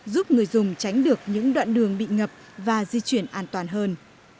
giúp người dùng tránh được những đoạn đường bị ngập và di chuyển an toàn hơn